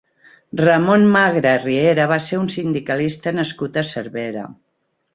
Ramon Magre Riera va ser un sindicalista nascut a Cervera.